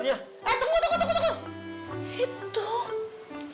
eh tunggu tunggu tunggu